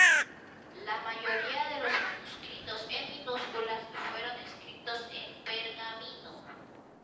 La mayoría de los manuscritos en minúsculas fueron escritos en pergamino.